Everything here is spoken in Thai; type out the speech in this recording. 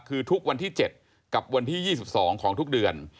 คือทุกวันที่๗กับวันที่๒๒ของทุกเดือน